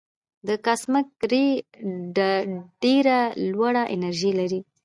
د کاسمک رې ډېره لوړه انرژي لري.